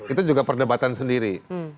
itu juga perdebatan sendiri